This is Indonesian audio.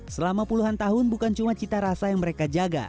selama puluhan tahun bukan cuma cita rasa yang mereka jaga